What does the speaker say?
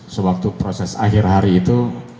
sewaktu proses akhir hari itu